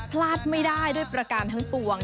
พลาดไม่ได้ด้วยประการทั้งปวง